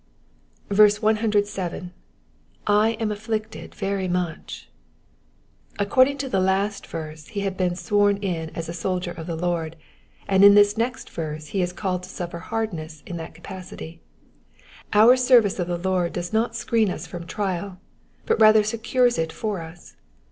107. J am afflicted very mueh,'*^ According to the last verse he had been sworn in as a soldier of the Lord, and in this next verse he is called to suffer hardness in that capacity. Our service of the Lord does not screen us from trial, but rather secures it for us.